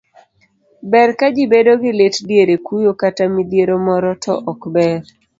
ber ka ji bedo gi lit diere kuyo kata midhiero moro to ok ber